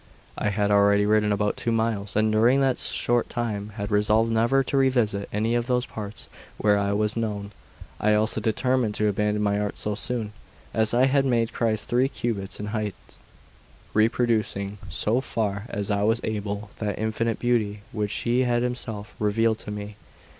I had already ridden about two miles, and during that short time had resolved never to revisit any of those parts where I was known. I also determined to abandon my art so soon as I had made a Christ three cubits in height, reproducing, so far as I was able, that infinite beauty which He had Himself revealed to me.